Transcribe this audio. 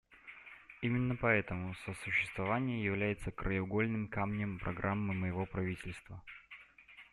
Именно поэтому сосуществование является краеугольным камнем программы моего правительства.